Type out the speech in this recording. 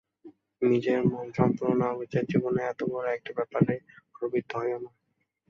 নিজের মন সম্পূর্ণ না বুঝে জীবনের এত বড়ো একটা ব্যাপারে প্রবৃত্ত হোয়ো না।